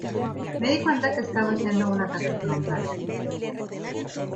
Me di cuenta que estaba haciendo un ataque frontal.